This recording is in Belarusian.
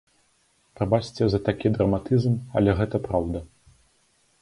Прабачце за такі драматызм, але гэта праўда.